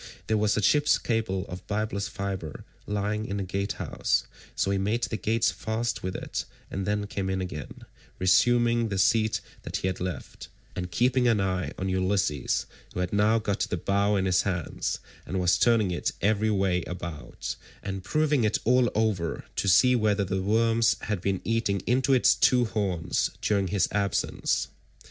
There was a ship's cable of byblus fibre lying in the gatehouse, so he made the gates fast with it and then came in again, resuming the seat that he had left, and keeping an eye on Ulysses, who had now got the bow in his hands, and was turning it every way about, and proving it all over to see whether the worms had been eating into its two horns during his absence.